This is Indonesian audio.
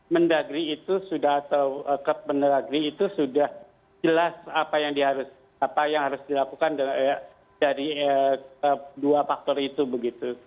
menurut saya sk mendagri itu sudah atau kep mendagri itu sudah jelas apa yang harus dilakukan dari dua faktor itu begitu